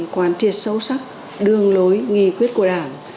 kiểm tra lái xe điều khiển